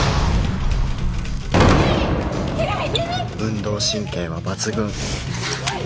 運動神経は抜群